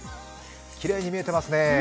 きれいに見えてますね。